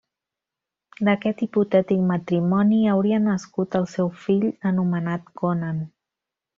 D'aquest hipotètic matrimoni hauria nascut el seu fill, anomenat Conan.